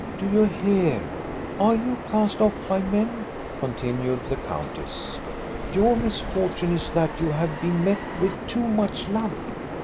"Do you hear? Are you cast off by men?" con tinued the countess. " Your misfortune is that you have been met with too much love.